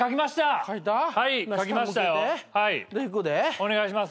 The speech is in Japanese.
お願いします。